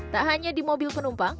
tak hanya di mobil penumpang